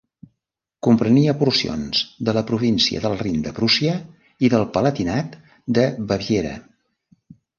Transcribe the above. Comprenia porcions de la Província del Rin de Prússia i del Palatinat de Baviera.